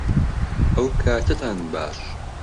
ئەوکاتەتان باش